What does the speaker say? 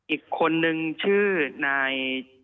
อีกคนนึงชื่อนาย